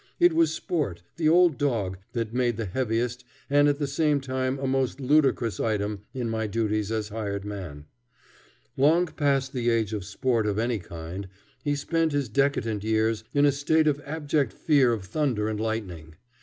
It was Sport, the old dog, that made the heaviest and at the same time a most ludicrous item in my duties as hired man. Long past the age of sport of any kind, he spent his decadent years in a state of abject fear of thunder and lightning.